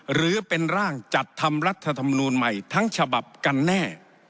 หรือเป็นร่างจัดทำรัฐธรรมนูลใหม่ทั้งฉบับกันแน่